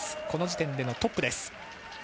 この時点でのトップです。